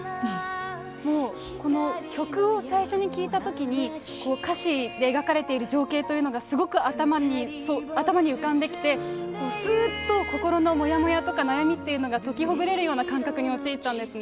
もうこの曲を最初に聴いたときに、歌詞に描かれている情景というのがすごく頭に浮かんできて、すーっと、心のもやもやとか悩みっていうのが解きほぐれるような感覚に陥ったんですね。